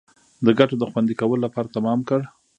د ګټو د خوندي کولو لپاره تمام کړ.